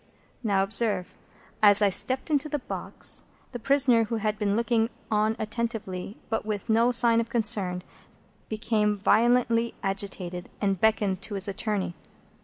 Now, observe. As I stepped into the box, the prisoner, who had been looking on attentively, but with no sign of concern, became violently agitated, and beckoned to his attorney.